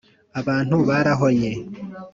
Abantu barahonye